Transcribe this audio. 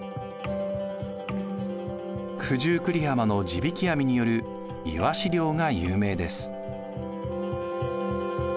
九十九里浜の地引き網によるいわし漁が有名です。